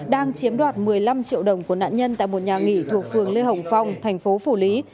đang chiếm đoạt một mươi năm triệu đồng của nạn nhân tại một nhà nghỉ thuộc phường lê hồng phong thành phố phủ lý